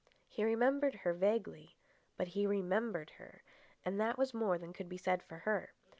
He remembered her vaguely, but he remembered her, and that was more than could be said for her.